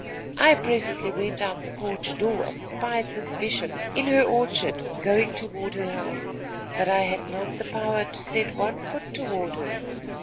I presently went out at the porch door and spied this Bishop, in her orchard, going toward her house; but I had not power to set one foot forward unto her.